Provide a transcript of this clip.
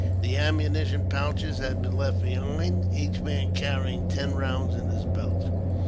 The ammunition pouches had been left behind, each man carrying ten rounds in his belt.